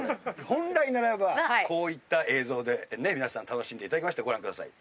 本来ならばこういった映像で皆さん楽しんでいただきましてご覧ください